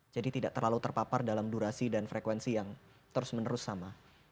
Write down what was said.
jadi tidak terlalu terpapar dalam durasi dan frekuensi yang terus menerus sama